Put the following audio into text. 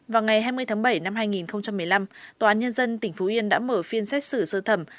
vào ngày hai mươi tháng bảy năm hai nghìn một mươi năm tòa án nhân dân tỉnh phú yên đã mở phiên xét xử sơ thẩm